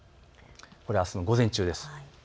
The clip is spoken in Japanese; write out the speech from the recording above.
あすの午前中です。